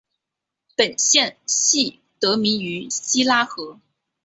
本县系得名于希拉河。